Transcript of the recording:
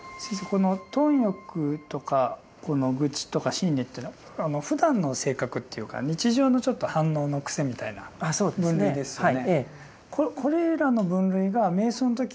この貪欲とか愚痴とか瞋恚というのはふだんの性格っていうか日常の反応の癖みたいな分類ですよね。